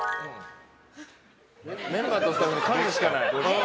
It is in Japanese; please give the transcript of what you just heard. メンバーとスタッフに感謝しかない。